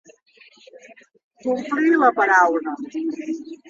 Complir la paraula.